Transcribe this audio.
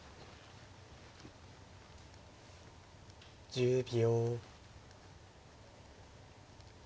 １０秒。